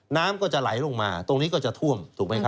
น้ำก็จะไหลลงมาตรงนี้ก็จะท่วมถูกไหมครับ